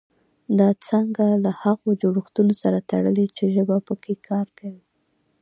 دا څانګه له هغو جوړښتونو سره تړلې چې ژبه پکې کار کوي